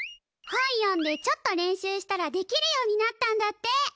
本読んでちょっと練習したらできるようになったんだって。